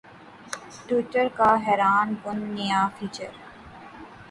Twitter کا حیران کن نیا فیچر